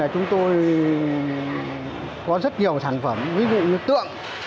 chúng tôi có rất nhiều sản phẩm ví dụ như tượng